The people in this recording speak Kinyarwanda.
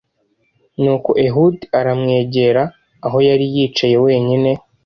Nuko ehudi aramwegera aho yari yicaye wenyine